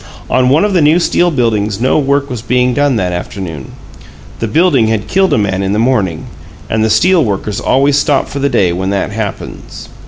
On one of the new steel buildings no work was being done that afternoon. The building had killed a man in the morning and the steel workers always stop for the day when that "happens."